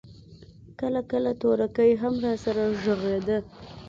کله کله تورکى هم راسره ږغېده.